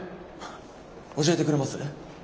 教えてくれます？